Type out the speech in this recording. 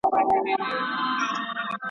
د ورور په وینو پړسېدلي پیدا نه سمیږو ..